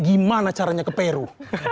gimana caranya ke peru